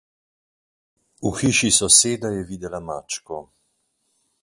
V hiši soseda je videla mačko.